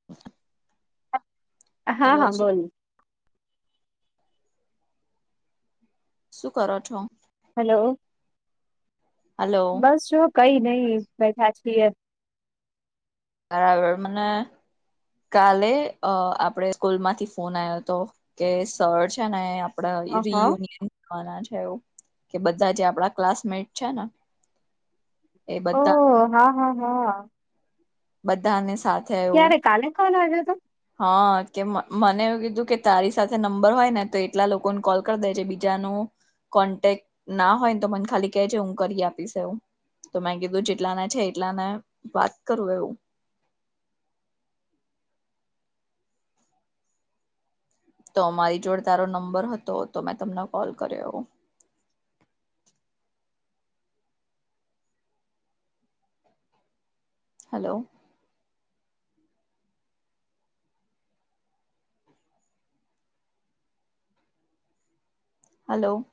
હ હા હા બોલ. શું કરો છો? હલો હલો બસ જો કઈ નઈ બેઠા છીએ. બરાબર મને કાલે અ આપડે સ્કૂલમાંથી ફોન આયો હતો કે સર છે ને આપણા હ હ રિયુનિયન થના છે એ કે બધા જે આપણા ક્લાસમેટ છે ને એ બધા ઓહ! હા હા હા. બધા ને સાથે. એવું ક્યારે કાલે કોલ આવ્યો હતો. હા કે મને એવું કીધું કે તારી સાથે નંબર હોય ને તો એટલા લોકોને કોલ. દે બીજા ન કોન્ટેક ના હોય ને તો મને ખાલી કેજ હું કરી આપીશવું. તો મેં કીધું જેટલાના છે એટલાને વાત કરું એવું. તો મારી જોડે તારો નંબર હતો તો મેં તમને કોલ કર્યો. Hello hello